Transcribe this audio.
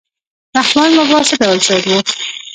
رحمان بابا څه ډول شاعر و؟